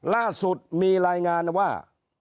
ล่าสุดมีรายงานว่า